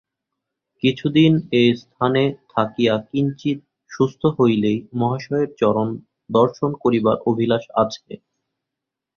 কিছুদিন এস্থানে থাকিয়া কিঞ্চিৎ সুস্থ হইলেই মহাশয়ের চরণ দর্শন করিবার অভিলাষ আছে।